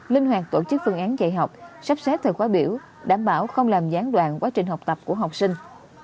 linh hoạt tổ chức phương án dạy học sắp xếp thời khóa biểu đảm bảo không làm gián đoạn quá trình học tập của học sinh